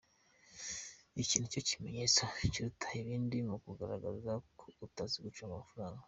Iki nicyo kimenyetso kiruta ibindi mu bigaragaza ko utazi gucunga amafaranga.